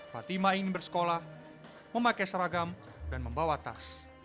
fatima ingin bersekolah memakai seragam dan membawa tas